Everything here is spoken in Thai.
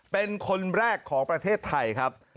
เป็นคนแรกของประเทศไทยครับ